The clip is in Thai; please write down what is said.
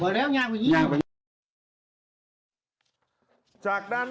บอกแล้วยากกว่านี้ยากกว่านี้